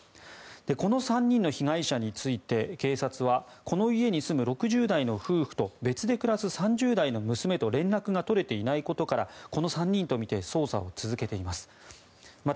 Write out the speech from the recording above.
この３人の被害者について警察はこの家に住む６０代の夫婦と別で暮らす３０代の娘と連絡が取れていないことからこの３人とみて捜査を続けています。